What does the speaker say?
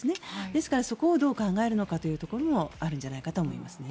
ですからそこをどう考えるのかもあるんじゃないかと思います。